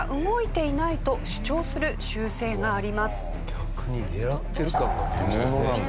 逆に狙ってる感が出ましたね。